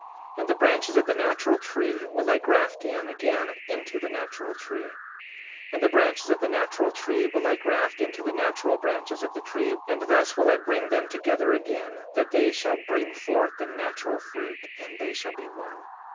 5:67 And the branches of the natural tree will I graft in again into the natural tree; 5:68 And the branches of the natural tree will I graft into the natural branches of the tree; and thus will I bring them together again, that they shall bring forth the natural fruit, and they shall be one.